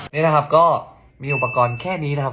นี่แหละครับก็มีโอกาสแค่นี้นะครับ